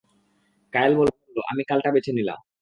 কায়ল বলল, আমি কালটা বেছে নিলাম।